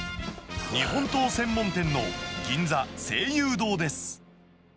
日本刀専門店の銀座誠友堂です。